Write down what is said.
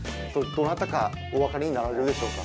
どなたかお分かりになられるでしょうか。